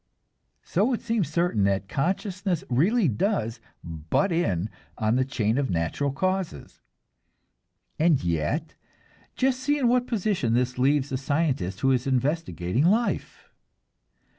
So it seems certain that consciousness really does "butt in" on the chain of natural causation. And yet, just see in what position this leaves the scientist who is investigating life!